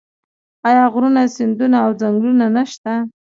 آیا غرونه سیندونه او ځنګلونه نشته؟